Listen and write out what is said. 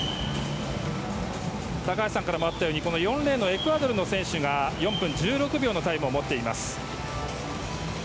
高橋さんからもあったように４レーンのエクアドルの選手が４分１６秒のタイムを持っています。